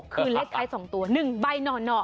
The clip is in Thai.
คือเลขท้าย๒ตัว๑ใบหน่อ